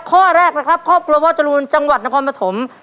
ข้อแรกนะครับครอบครัวพ่อจรูนจังหวัดนครปฐม